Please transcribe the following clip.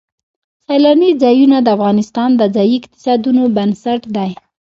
سیلانی ځایونه د افغانستان د ځایي اقتصادونو بنسټ دی.